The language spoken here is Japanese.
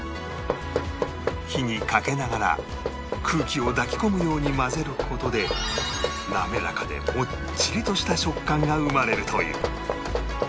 火にかけながら空気を抱き込むように混ぜる事で滑らかでもっちりとした食感が生まれるという